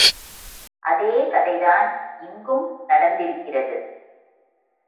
அதே கதை தான் இங்கும் நடந்திருக்கிறது.